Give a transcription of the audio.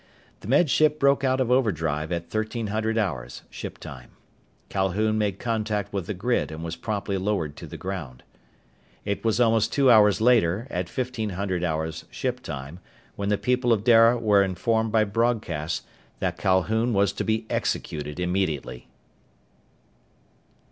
The Med Ship broke out of overdrive at 1300 hours, ship time. Calhoun made contact with the grid and was promptly lowered to the ground. It was almost two hours later, at 1500 hours ship time, when the people of Dara were informed by broadcast that Calhoun was to be executed immediately.